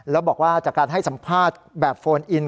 แล้วบอกว่าจากการให้สัมภาษณ์แบบโฟนอิน